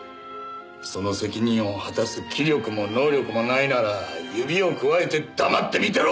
その責任を果たす気力も能力もないなら指をくわえて黙って見てろ！